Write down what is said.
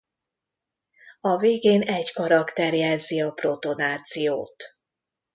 A végén egy karakter jelzi a protonációt.